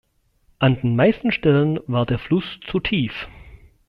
An den meisten Stellen war der Fluss zu tief.